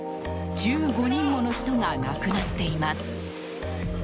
１５人もの人が亡くなっています。